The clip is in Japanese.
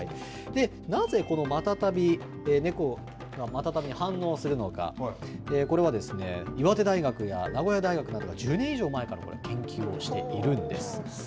なぜこのマタタビ、猫がマタタビに反応するのか、これは岩手大学や名古屋大学などが１０年以上前から研究をしているんです。